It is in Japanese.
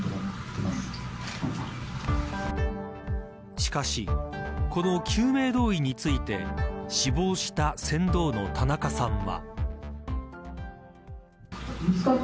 しかし、この救命胴衣について死亡した船頭の田中さんは。